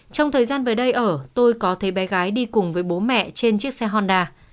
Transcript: trong thời gian về đây ở tôi có thấy bé gái đi cùng với bố mẹ trên chiếc xe honda